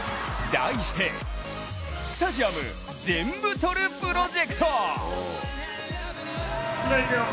題してスタジアムぜんぶ撮るプロジェクト！